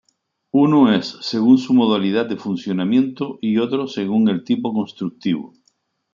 Uno es según su modalidad de funcionamiento y otro según el tipo constructivo.